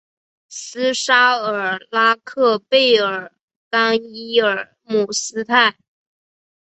斯沙尔拉克贝尔甘伊尔姆斯泰。